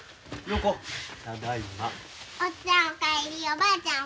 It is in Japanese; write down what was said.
おばあちゃん